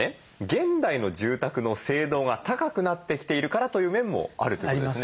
現代の住宅の性能が高くなってきているからという面もあるということですね。